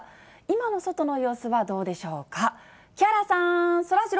今の外の様子はどうでしょうか。